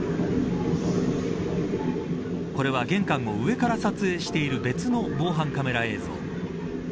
これは玄関を上から撮影している別の防犯カメラ映像。